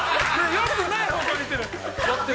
よくない方向に行ってる。